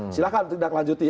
silahkan tidak lanjuti